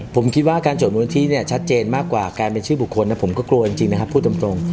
ผมคิดว่าการจดมนตรีชัดเจนมากกว่าการเป็นชื่อบุคคลนะผมก็กลัวจริงพูดตรง